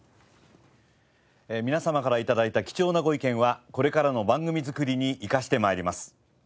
皆様から頂いた貴重なご意見はこれからの番組作りに生かして参ります。